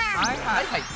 はいはい。